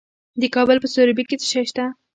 د کابل په سروبي کې څه شی شته؟